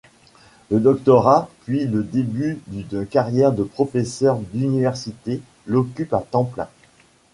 Le doctorat, puis le début d'une carrière de professeur d'université l'occupent à temps plein.